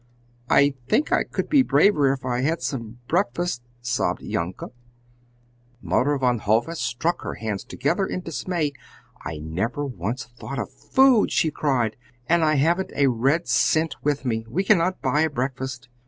"I think I could be braver if I had some breakfast," sobbed Janke. Mother Van Hove struck her hands together in dismay. "I never once thought of food!" she cried, "and I haven't a red cent with me! We cannot buy a breakfast!